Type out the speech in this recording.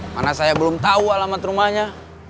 mana saya belum tahu alamat rumahnya